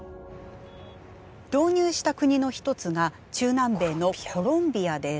導入した国の一つが中南米のコロンビアです。